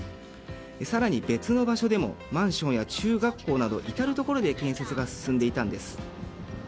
更に、別の場所でもマンションや中学校など至るところで建設が進んでいたんです。